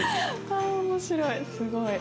ああ面白いすごい。